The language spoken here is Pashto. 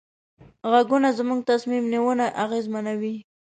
غږونه زموږ تصمیم نیونه اغېزمنوي.